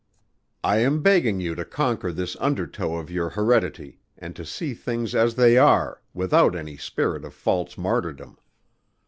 "I am begging you to conquer this undertow of your heredity, and to see things as they are, without any spirit of false martyrdom.